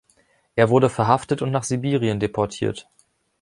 Er wurde verhaftet und nach Sibirien deportiert.